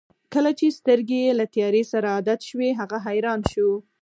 کله چې سترګې یې له تیارې سره عادت شوې هغه حیران شو.